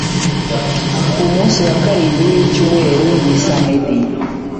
Umunsi wa karindwi wicyumweru ni samedi.